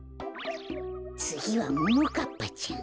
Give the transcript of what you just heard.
つぎはももかっぱちゃん。